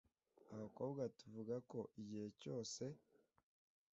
Abakobwa tuvuga ko igihe cyose.